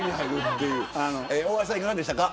大橋さんはいかがでしたか。